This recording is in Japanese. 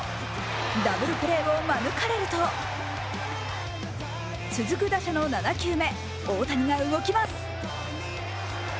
ダブルプレーを免れると続く打者の７球目、大谷が動きます。